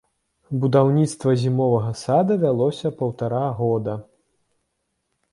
Будаўніцтва зімовага сада вялося паўтара года.